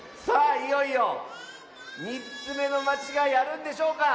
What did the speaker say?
いよいよ３つめのまちがいあるんでしょうか。